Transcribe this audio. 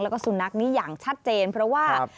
แล้วก็สุนัขนี้อย่างชัดเจนเพราะว่า